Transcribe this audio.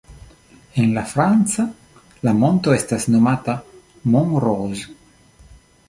En la franca, la monto estas nomata "Mont Rose".